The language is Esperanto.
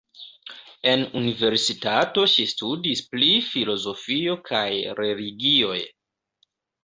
En universitato ŝi studis pri filozofio kaj religioj.